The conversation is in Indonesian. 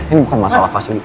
ini bukan masalah fasilitas